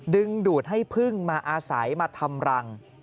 ดึงดูดให้พึ่งมาอาศัยมาทำรัง